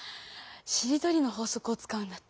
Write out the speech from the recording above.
「しりとりの法則」をつかうんだった。